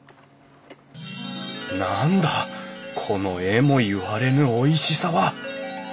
何だこのえもいわれぬおいしさは！